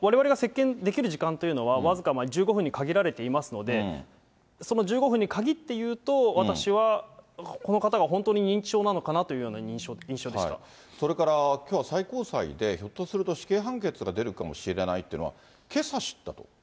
われわれが接見できる時間というのは、僅か１５分に限られていますので、その１５分に限って言うと、私はこの方が本当に認知症なのかなとそれから、きょうは最高裁でひょっとすると死刑判決が出るかもしれないというのは、けさ知ったと。